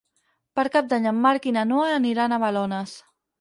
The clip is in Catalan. Per Cap d'Any en Marc i na Noa aniran a Balones.